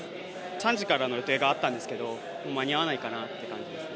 ３時からの予定があったんですけど、もう間に合わないかなって感じです。